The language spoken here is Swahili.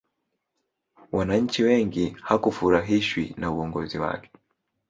wananchi wengi hakufurahishwi na uongozi wake